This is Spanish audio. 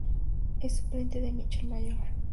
Es suplente de Michel Mayor.